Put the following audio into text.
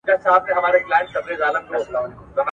پښتون گټلي نور يي څټي